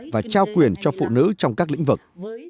và trao quyền cho phụ nữ trong các lĩnh vực